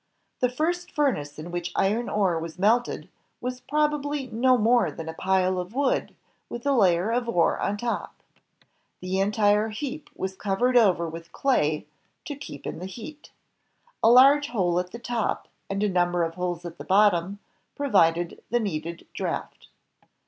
The first furnace in which iron ore was melted was probably no more than a pile of wood with a layer of ore on top. The entire heap was covered over with clay to HENRY BESSEMER 163 keep in the heat A targe hole at the top and a number of holes at the bottom provided the needed draft.